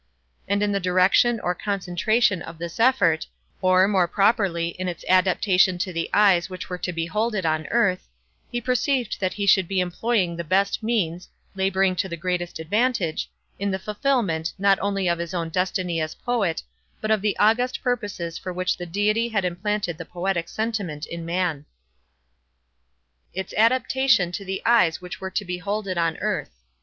And in the direction or concentration of this effort—or, more properly, in its adaptation to the eyes which were to behold it on earth—he perceived that he should be employing the best means—laboring to the greatest advantage—in the fulfilment, not only of his own destiny as poet, but of the august purposes for which the Deity had implanted the poetic sentiment in man. "Its adaptation to the eyes which were to behold it on earth."